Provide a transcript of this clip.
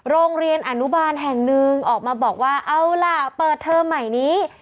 โรงเรียนอนุบาลแห่งหนึ่งออกมาบอกว่าเอาล่ะเปิดเทอมใหม่นี้